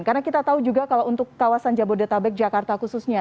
karena kita tahu juga kalau untuk kawasan jabodetabek jakarta khususnya